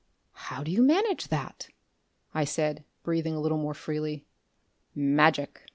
"How do you manage that?" I said, breathing a little more freely. "Magic!"